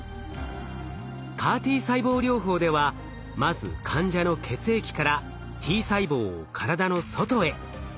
ＣＡＲ−Ｔ細胞療法ではまず患者の血液からＴ細胞を体の外へ。